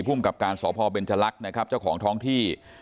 ภูมิกับการสพเบนจลักษณ์นะครับเจ้าของท้องที่